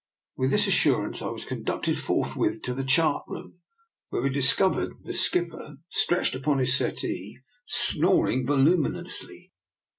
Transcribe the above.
With this assurance I was conducted forth with to the chart room, where we discovered the skipper stretched upon his settee, snoring voluminously.